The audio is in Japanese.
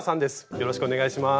よろしくお願いします。